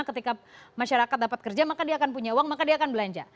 ketika masyarakat dapat kerja maka dia akan punya uang maka dia akan belanja